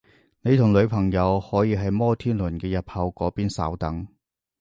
你同女朋友可以喺摩天輪嘅入口嗰邊稍等